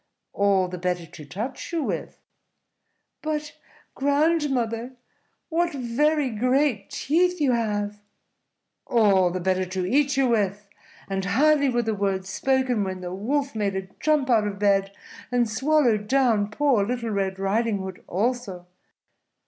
"All the better to touch you with." "But, grandmother, what very great teeth you have!" "All the better to eat you with;" and hardly were the words spoken when the Wolf made a jump out of bed and swallowed down poor Little Red Riding Hood also.